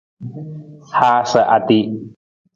Haasa ati.